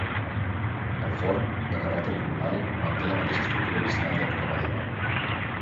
El forn, de caràcter comunal manté la mateixa estructura original d'època medieval.